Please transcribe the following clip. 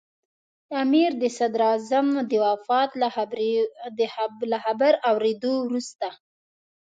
امیر د صدراعظم د وفات له خبر اورېدو وروسته.